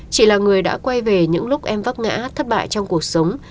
chị là người đã quay về những lúc em vắc ngã thất bại trong cuộc sống